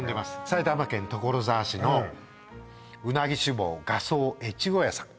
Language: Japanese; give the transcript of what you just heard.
埼玉県所沢市のうなぎ屋酒坊・画荘越後屋さん